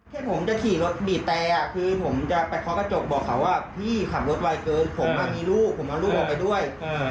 แค่ผมจะขี่รถบีบแต่คือผมจะไปเคาะกระจกบอกเขาว่าพี่ขับรถไวเกินผมมีลูกผมเอาลูกออกไปด้วย